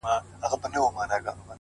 دا رومانتيك احساس دي خوږ دی گراني ـ